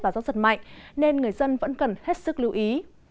và gió giật mạnh nên người dân vẫn cần hết sức lưu ý